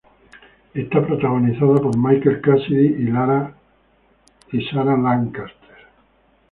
Es protagonizada por Michael Cassidy y Sarah Lancaster.